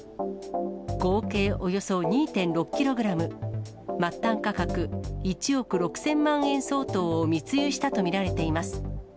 合計およそ２．６キログラム、末端価格１億６０００万円相当を密輸したと見られています。